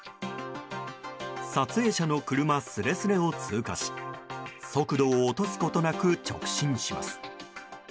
撮影者の車すれすれを通過し速度を落とすことなく直進します。